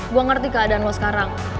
gue ngerti keadaan lo sekarang